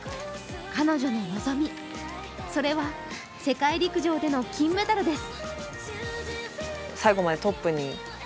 彼女ののぞみ、それは、世界陸上での金メダルです。